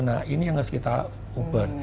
nah ini yang harus kita ubah